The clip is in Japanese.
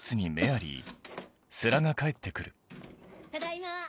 ただいま。